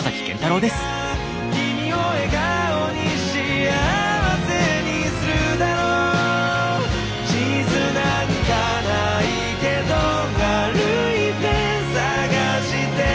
「君を笑顔に幸せにするだろう」「地図なんかないけど歩いて探して」